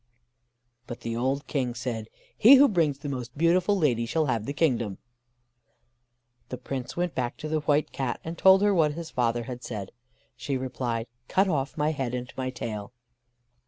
But the old King said: "He who brings the most beautiful lady shall have the kingdom." The Prince went back to the White Cat, and told her what his father had said. She replied: "Cut off my head and my tail."